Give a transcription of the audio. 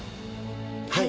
はい。